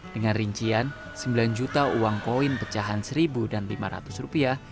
dengan rincian sembilan juta uang koin pecahan seribu dan lima ratus rupiah